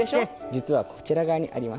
実はこちら側にあります。